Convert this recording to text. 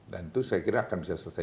dan itu saya kira akan bisa selesai